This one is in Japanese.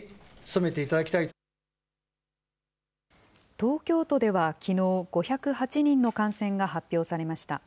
東京都ではきのう、５０８人の感染が発表されました。